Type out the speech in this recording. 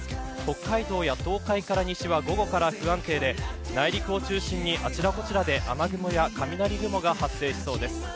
北海道や東海から西は午後から不安定で内陸を中心にあちらこちらで雨雲や雷雲が発生しそうです。